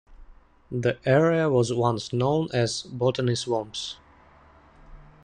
The area was once known as Botany Swamps.